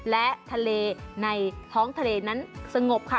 และทะเลในท้องทะเลนั้นสงบค่ะ